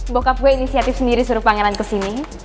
bokap gue inisiatif sendiri suruh pangeran kesini